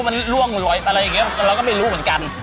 มันล่วงหลวยอะไรอย่างนี้เราก็ไม่รู้เหมือนกัน